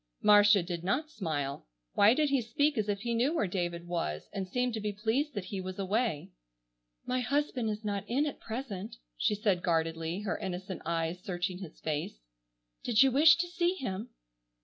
Marcia did not smile. Why did he speak as if he knew where David was, and seemed to be pleased that he was away? "My husband is not in at present," she said guardedly, her innocent eyes searching his face, "did you wish to see him?"